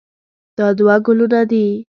دا دوه ګلونه دي.